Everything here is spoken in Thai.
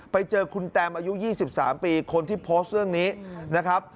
ไปเจอคุณแตมอายุ๒๓ปีคนที่โพสต์เรื่องนี้นะครับ